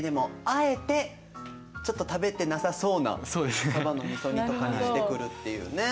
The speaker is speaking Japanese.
あえてちょっと食べてなさそうなさばのみそ煮とかにしてくるっていうね。